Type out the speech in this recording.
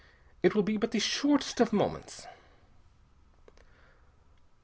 It will be but the shortest of moments."